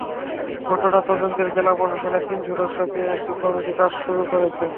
ঘটনার তদন্তে জেলা প্রশাসনের তিন সদস্যের একটি কমিটি কাজ শুরু করেছে।